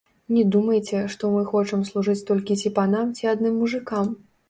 Не думайце, што мы хочам служыць толькі ці панам, ці адным мужыкам.